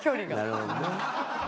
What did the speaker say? なるほどね。